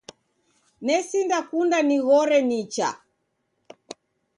Nesinda kunda nighore nicha